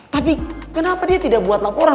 tapi kenapa dia tidak buat laporan